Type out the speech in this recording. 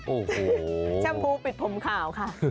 โอ้โหชมพูปิดผมขาวค่ะ